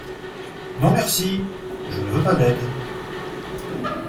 Non merci, je ne veux pas d’aide.